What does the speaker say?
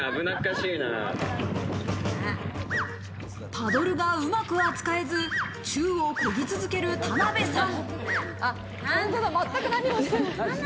パドルがうまく扱えず、宙をこぎ続ける田辺さん。